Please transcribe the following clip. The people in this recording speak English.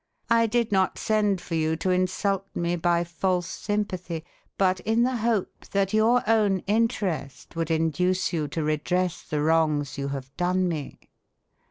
I did not send for you to insult me by false sympathy; but in the hope that your own interest would induce you to redress the wrongs you have done me."